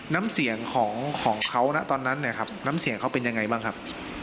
น้ำเสี่ยงของเขาตอนนั้นน้ำเสี่ยงเขาเป็นอย่างไรบ้างครับ